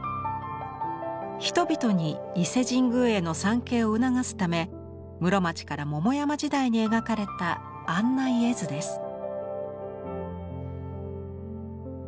人々に伊勢神宮への参詣を促すため室町から桃山時代に描かれた案内絵図です。